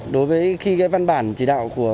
đối với khi văn bản chỉ đạo của